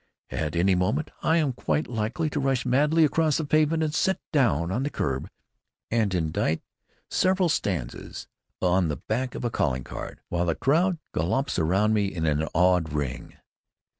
At any moment I am quite likely to rush madly across the pavement and sit down on the curb and indite several stanzas on the back of a calling card, while the crowd galumps around me in an awed ring....